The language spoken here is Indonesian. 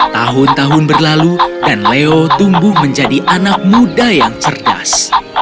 tahun tahun berlalu dan leo tumbuh menjadi anak muda yang cerdas